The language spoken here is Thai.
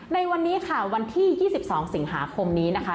ในวันนี้ค่ะวันที่๒๒สิงหาคมนี้นะคะ